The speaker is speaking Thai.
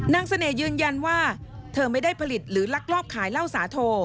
เสน่ห์ยืนยันว่าเธอไม่ได้ผลิตหรือลักลอบขายเหล้าสาโท